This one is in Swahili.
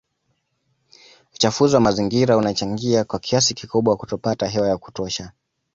Uchafuzi wa mazingira unachangia kwa kiasi kikubwa kutopata hewa ya kutosha